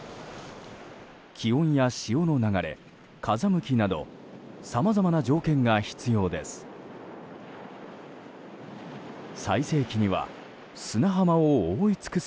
気温や潮の流れ、風向きなどさまざまな条件が必要です。